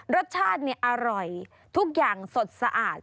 รสชาติอร่อยทุกอย่างสดสะอาด